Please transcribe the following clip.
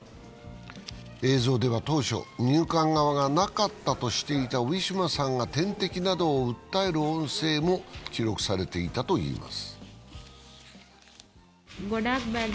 映像では当初、入管側がなかったとしていた、ウィシュマさんが点滴などを訴える音声も記録されていたといいます。